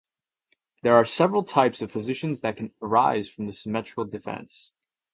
There are several types of positions that can arise from the Symmetrical Defense.